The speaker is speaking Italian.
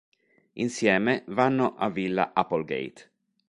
Insieme vanno a Villa Applegate.